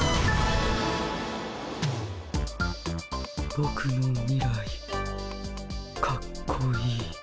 ボクの未来かっこいい。